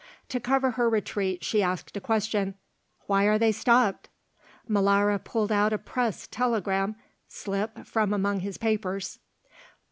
To cover her retreat she asked a question. "Why are they stopped?" Molara pulled out a Press telegram slip from among his papers.